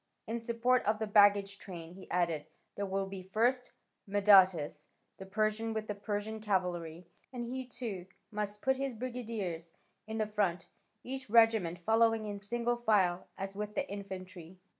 In support of the baggage train," he added, "there will be, first, Madatas the Persian with the Persian cavalry, and he too must put his brigadiers in the front, each regiment following in single file, as with the infantry.